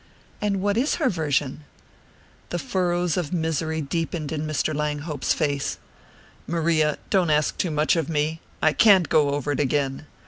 "And what is her version?" The furrows of misery deepened in Mr. Langhope's face. "Maria don't ask too much of me! I can't go over it again.